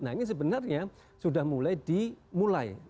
nah ini sebenarnya sudah mulai di mulai